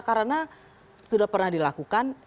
karena sudah pernah dilakukan